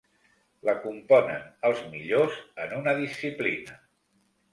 La componen els millors en una disciplina.